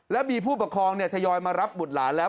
แล้วมีผู้ปกครองทยอยมารับบุตรหลานแล้ว